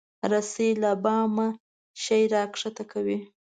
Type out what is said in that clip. رسۍ له بامه شی راکښته کوي.